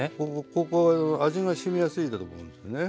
ここ味がしみやすいんだと思うんですね。